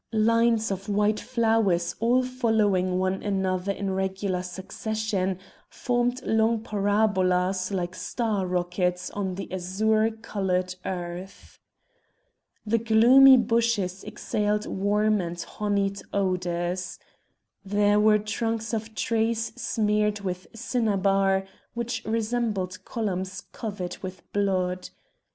Lines of white flowers all following one another in regular succession formed long parabolas like star rockets on the azure coloured earth. The gloomy bushes exhaled warm and honied odours. There were trunks of trees smeared with cinnabar, which resembled columns covered with blood.